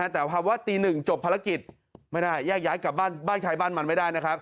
แต่ภาวะตีหนึ่งจบภารกิจไม่ได้แยกย้ายกลับบ้านใครบ้านมันไม่ได้นะครับ